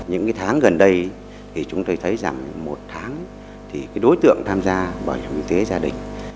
những tháng gần đây thì chúng tôi thấy rằng một tháng thì đối tượng tham gia bảo hiểm y tế gia đình